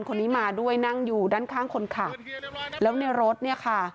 คนนี้มาด้วยนั่งอยู่ด้านข้างคนขับแล้วในรถเนี่ยค่ะ